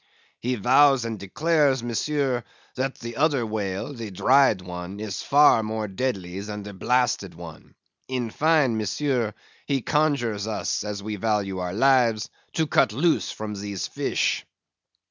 "He vows and declares, Monsieur, that the other whale, the dried one, is far more deadly than the blasted one; in fine, Monsieur, he conjures us, as we value our lives, to cut loose from these fish."